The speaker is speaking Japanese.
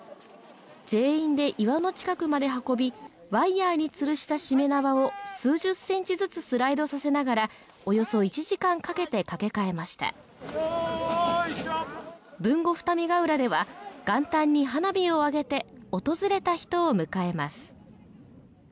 全員で岩の近くまで運び、ワイヤーにつるしたしめ縄を数十センチずつスライドさせながらおよそ１時間かけてかけ替えました豊後二見ヶ浦では、元旦に花火をあげて、訪れた人を迎えます